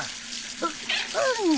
うっうん。